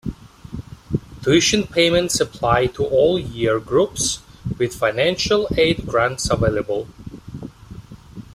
Tuition payments apply to all year groups, with financial aid grants available.